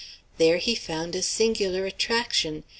There he found a singular attraction.